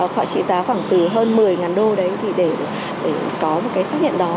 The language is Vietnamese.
khoảng trị giá khoảng từ hơn một mươi ngàn đô đấy thì để có một cái xác nhận đó